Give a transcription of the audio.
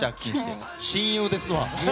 親友ですわ。